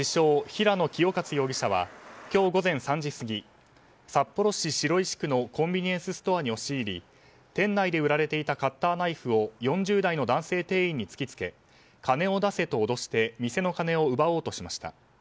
・平野清勝容疑者は今日午前３時過ぎ札幌市白石区のコンビニエンスストアに押し入り店内で売られていたカッターナイフを４０代の男性店員に突き付け金を出せと脅して店の金を奪おうとしました。